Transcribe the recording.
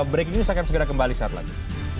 breaking news akan segera kembali saat lagi